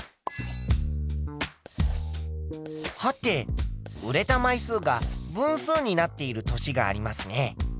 はて売れた枚数が分数になっている年がありますね。